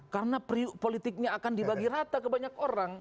karena priuk politiknya akan dibagi rata ke banyak orang